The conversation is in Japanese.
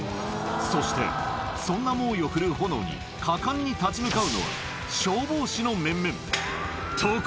そして、そんな猛威を振るう炎に果敢に立ち向かうのは、消防士の面々。